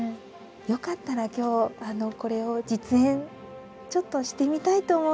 よかったら今日これを実演ちょっとしてみたいと思うんですが。